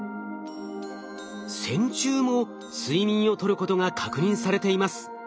線虫も睡眠をとることが確認されています。